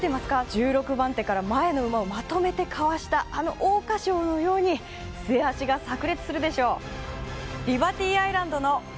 １６番手から前の馬をまとめてかわしたあの桜花賞のように末脚がさく裂するでしょう。